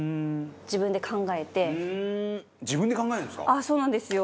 松本：そうなんですよ。